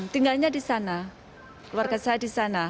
tinggalnya di sana keluarga saya di sana